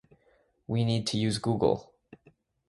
We need to use google.